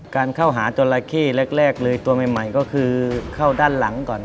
การเข้าหาจราเข้แรกเลยตัวใหม่ก็คือเข้าด้านหลังก่อน